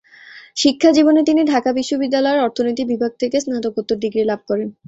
শিক্ষাজীবনে তিনি ঢাকা বিশ্ববিদ্যালয়ের অর্থনীতি বিভাগ থেকে স্নাতকোত্তর ডিগ্রি লাভ করেন।